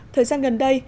thời gian gần đây